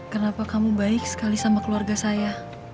kenapa kamu baik sekali sama keluarga saya